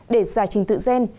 để giải trình tự gen